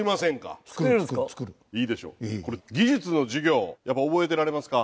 技術の授業覚えておられますか？